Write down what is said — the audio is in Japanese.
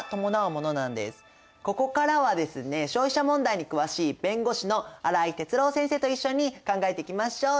ここからはですね消費者問題に詳しい弁護士の荒井哲朗先生と一緒に考えていきましょう。